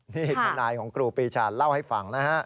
นี่ทนายของครูปีชาเล่าให้ฟังนะฮะ